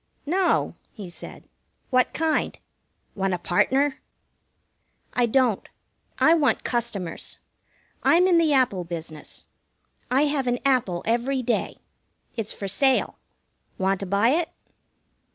"No," he said. "What kind? Want a partner?" "I don't. I want customers. I'm in the Apple business. I have an apple every day. It's for sale. Want to buy it?"